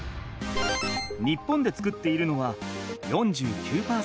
日本で作っているのは４９％。